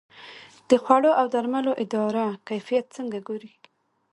د خوړو او درملو اداره کیفیت څنګه ګوري؟